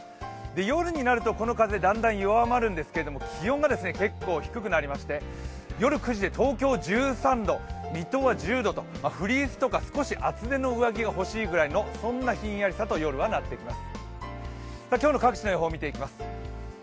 夜になるとこの風だんだん弱まるんですけど気温が結構低くなりまして、夜９時で東京１３度、水戸は１０度とフリースとか少し厚手の上着が欲しいくらいのそんなひんやりさと夜はなってきます。